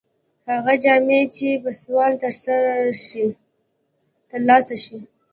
هغه جامه چې په سوال تر لاسه شي.